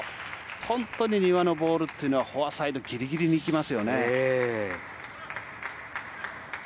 本当に丹羽のボールはフォアサイドギリギリにいきますよね。